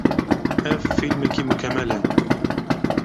Ev fîlmekî mukemel e.